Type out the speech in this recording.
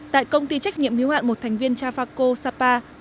tại công ty trách nhiệm hiếu hạn một thành viên trafaco sapa